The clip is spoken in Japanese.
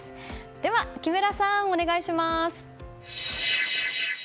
では木村さん、お願いします！